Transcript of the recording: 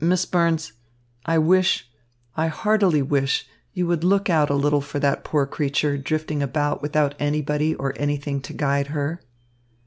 Miss Burns, I wish, I heartily wish, you would look out a little for that poor creature drifting about without anybody or anything to guide her."